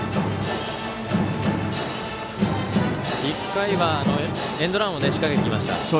１回はエンドランを仕掛けてきました。